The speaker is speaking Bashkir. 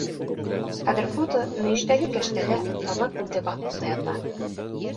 Хәҙер фото мөйөштәге кәштәлә таҙа күлдәк аҫтында ята.